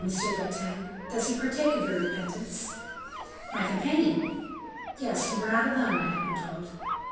d'Artagnan, does he partake of your repentance?" "My companion?" "Yes, you were not alone, I have been told."